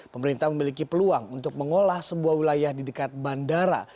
pemerintah memiliki peluang untuk mengolah sebuah wilayah di dekat bandara